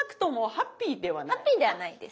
ハッピーではないです。